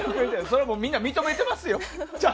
それはみんな認めてますよ。